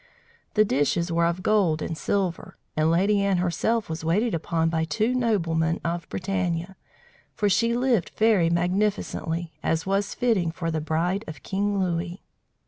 The dishes were of gold and silver, and Lady Anne herself was waited upon by two noblemen of Bretagne, for she lived very magnificently, as was fitting for the bride of King Louis.